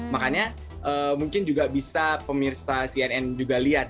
makanya mungkin juga bisa pemirsa cnn juga lihat